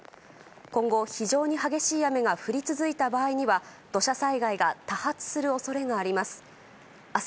今後、非常に激しい雨が降り続いた場合には土砂災害が多発する恐れがあります。